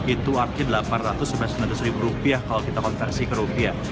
itu artinya delapan ratus sampai sembilan ratus ribu rupiah kalau kita konversi ke rupiah